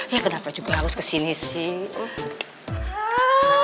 ya kenapa juga harus kesini sih